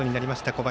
小林。